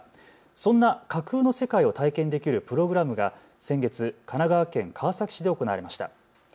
そんな架空の世界を体験できるプログラムが先月、神奈川県川崎市で行われました。